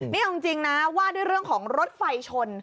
นี่เอาจริงนะว่าด้วยเรื่องของรถไฟชน